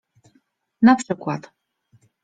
Na przykład.